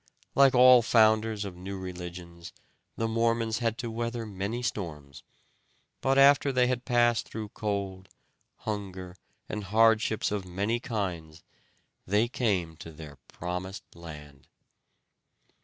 Like all founders of new religions the Mormons had to weather many storms, but after they had passed through cold, hunger, and hardships of many kinds they came to their promised land.